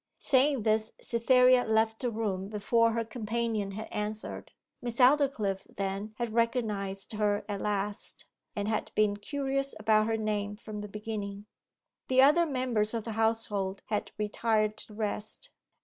Saying this Cytherea left the room before her companion had answered. Miss Aldclyffe, then, had recognized her at last, and had been curious about her name from the beginning. The other members of the household had retired to rest.